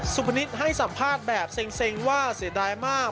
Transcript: สุพนิษฐ์ให้สัมภาษณ์แบบเซ็งว่าเสียดายมาก